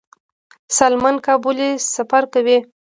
سالمن کب ولې سفر کوي؟